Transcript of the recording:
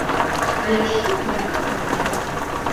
А яшчэ ў недахопе грошай.